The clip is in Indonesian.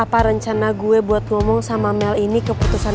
apa rencana gue buat ngomong sama mel ini keputusan